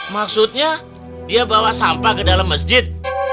maksudnya dia bawa sampah ke dalam masjid